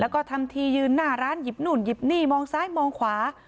แล้วก็ทำทียืนหน้าร้านหยิบนู่นหยิบนี่มองซ้ายมองขวา